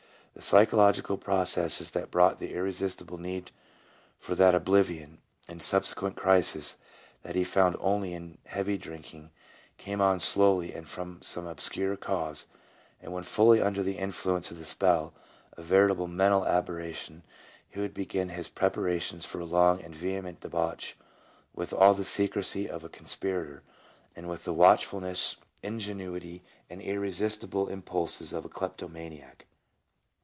The psychological processes that brought the irresistible need for that oblivion and subsequent crisis that he found only in heavy drinking came on slowly and from some obscure cause, and when fully under the influence of the spell — a veritable mental aberration — he would begin his preparations for a long and vehement debauch with all the secrecy of a conspirator, and with the watchfulness, ingenuity, and irresistible impulses of a kleptomaniac.